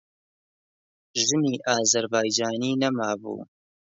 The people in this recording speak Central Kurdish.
ژنی ئازەربایجانیی نەمابوو.